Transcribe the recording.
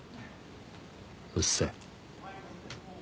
うっせえ。